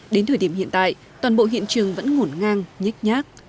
đến thời điểm hiện tại toàn bộ hiện trường vẫn ngổn ngang nhách nhác